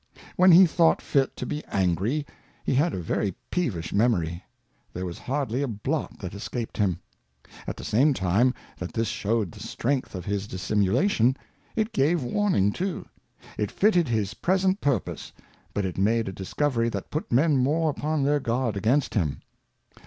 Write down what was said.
When he thought fit to be angry, he had a very peevish Memory; there was hardly a Blot that escaped him. At the same time that this shewed the Strength of his Dissimulation, it gave warning too ; it fitted his present Purpose, but it made a Discovery that put Men more upon their Guard against him.